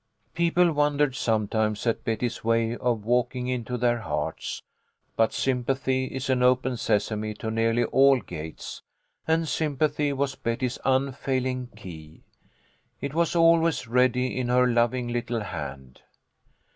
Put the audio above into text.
People wondered sometimes at Betty's way of walking into their hearts ; but sympathy is an open sesame to nearly all gates, and sympathy was Betty's unfailing key. It was always ready in her loving little hand.